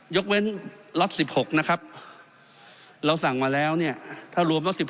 ยกเว้นล็อต๑๖นะครับเราสั่งมาแล้วเนี่ยถ้ารวมล็อต๑๖